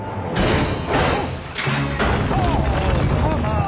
ああ！